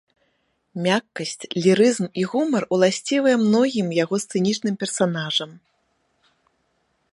Мяккасць, лірызм і гумар уласцівыя многім яго сцэнічным персанажам.